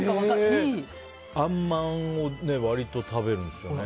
あんまんを割と食べるんですよね。